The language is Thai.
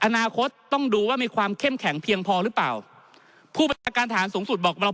อนาคตต้องดูว่ามีความเข้มแข็งเพียงพอหรือเปล่าผู้บัญชาการฐานสูงสุดบอกเรา